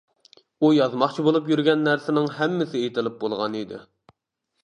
ئۇ يازماقچى بولۇپ يۈرگەن نەرسىنىڭ ھەممىسى ئېيتىلىپ بولغان ئىدى.